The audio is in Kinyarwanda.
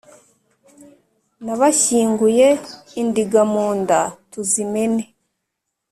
n'abashyinguye indiga mu nda tuzimene.